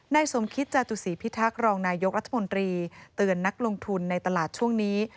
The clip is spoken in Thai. นายสมคิตจาตุศีพิทักษ์รองนายกรัฐมนตรีเตือนนักลงทุนในตลาดช่วงนี้